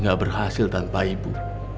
gak berhasil tanpa ibu